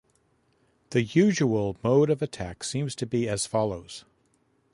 The usual mode of attack seems to be as follows.